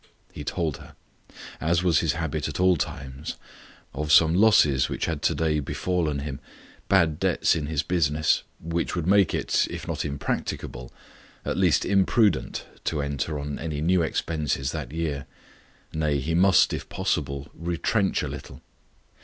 He told her, as was his habit at all times, of some losses which had to day befallen him bad debts in his business which would make it, if not impracticable, at least imprudent, to enter on any new expenses that year. Nay, he must, if possible, retrench a little.